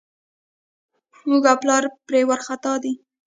مور او پلار یې پرې وارخطا دي.